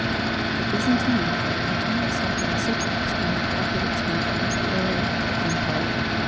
The Byzantine Empire continued suffering setbacks during the rapid expansion of the Arab Empire.